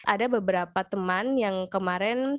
ada beberapa teman yang kemarin